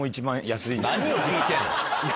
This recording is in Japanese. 何を聞いてんの？